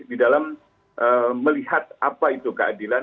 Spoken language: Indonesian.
di dalam melihat apa itu keadilan